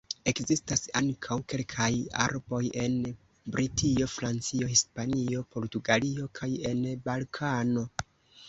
Ekzistas ankaŭ kelkaj arboj en Britio, Francio, Hispanio, Portugalio kaj en Balkano.